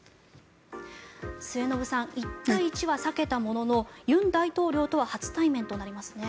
末延さん１対１は避けたものの尹大統領とは初対面となりますね。